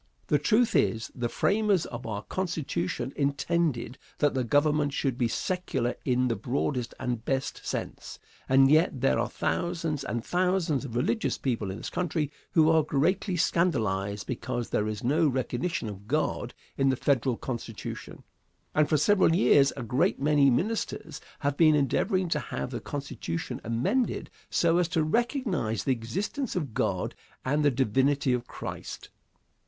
The truth is, the framers of our Constitution intended that the Government should be secular in the broadest and best sense; and yet there are thousands and thousands of religious people in this country who are greatly scandalized because there is no recognition of God in the Federal Constitution; and for several years a great many ministers have been endeavoring to have the Constitution amended so as to recognize the existence of God and the divinity of Christ.